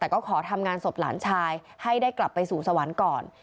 แต่ก็ขอทำงานศพหลานชายให้ได้กลับไปสู่สวรรค์ก่อน